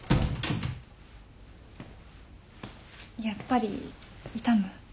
やっぱり痛む？